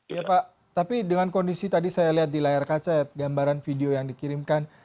iya pak tapi dengan kondisi tadi saya lihat di layar kaca ya gambaran video yang dikirimkan